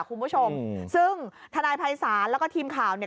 คุณผู้ชมซึ่งทนายภัยศาลแล้วก็ทีมข่าวเนี่ย